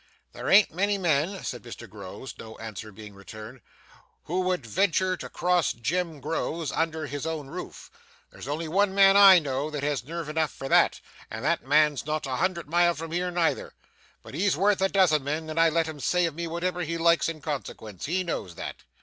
'There an't many men,' said Mr Groves, no answer being returned, 'who would ventur' to cross Jem Groves under his own roof. There's only one man, I know, that has nerve enough for that, and that man's not a hundred mile from here neither. But he's worth a dozen men, and I let him say of me whatever he likes in consequence he knows that.